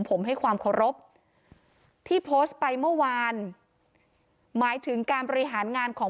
ผมให้ความขอรบที่โพสต์ไปเมื่อวาน